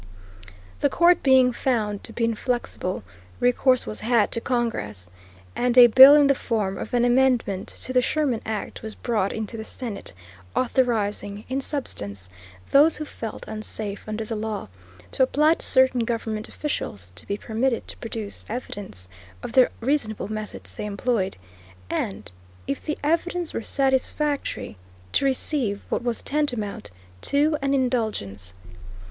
The Court being found to be inflexible, recourse was had to Congress, and a bill in the form of an amendment to the Sherman Act was brought into the Senate authorizing, in substance, those who felt unsafe under the law, to apply to certain government officials, to be permitted to produce evidence of the reasonable methods they employed, and, if the evidence were satisfactory, to receive, what was tantamount to, an indulgence.